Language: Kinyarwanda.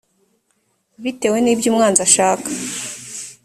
bitewe n ibyo umwanzi ashaka